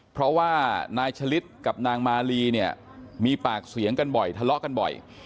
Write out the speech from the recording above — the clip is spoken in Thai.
เพราะว่านายฉลิดกับนางมาลีเนี่ยมีปากเสียงกันบ่อยทะเลาะกันบ่อย